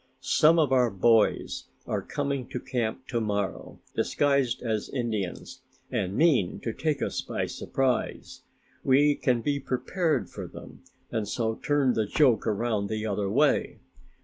Some of our boy friends are coming out to camp to morrow disguised as Indians and mean to take us by surprise. We can be prepared for them and so turn the joke around the other way.